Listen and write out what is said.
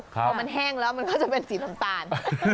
พอมันแห้งแล้วมันก็จะเป็นสีน้ำตาล